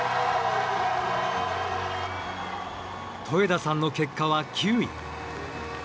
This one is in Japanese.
戸枝さんの結果は９位。